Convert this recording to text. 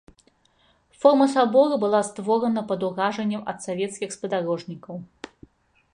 Форма сабора была створана пад уражаннем ад савецкіх спадарожнікаў.